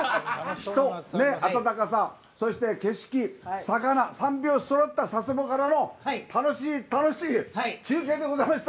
人、暖かさ、そして景色三拍子そろった佐世保からの楽しい、楽しい中継でした。